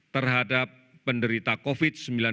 terhadap penderita covid sembilan belas